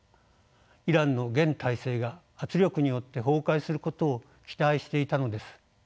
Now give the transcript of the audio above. イランの現体制が圧力によって崩壊することを期待していたのです。